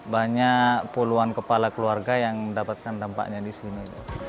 banyak puluhan kepala keluarga yang mendapatkan dampaknya disini